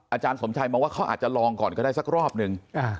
อาจารย์สมชัยมองว่าเขาอาจจะลองก่อนก็ได้สักรอบนึง